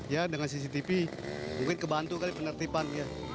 ya dengan cctv mungkin kebantu kali penertiban